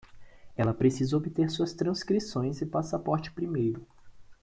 Ela precisa obter suas transcrições e passaporte primeiro.